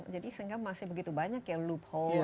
jadi sehingga masih begitu banyak kayak loophole